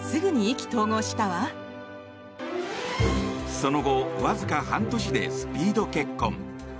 その後、わずか半年でスピード結婚。